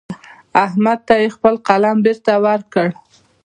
احمد ته يې خپل قلم بېرته ورکړ.